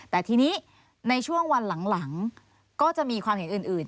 แต่ทีนี้ในช่วงวันหลังก็จะมีความเห็นอื่น